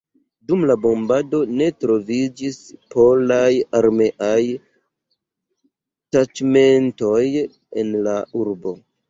Dum la bombado ne troviĝis polaj armeaj taĉmentoj en la urbo.